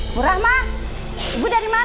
ibu rahma ibu dari mana